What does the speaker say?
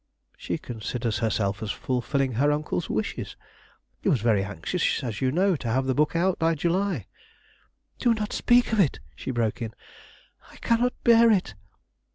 "She considers herself as fulfilling her uncle's wishes. He was very anxious, as you know, to have the book out by July." "Do not speak of it!" she broke in, "I cannot bear it."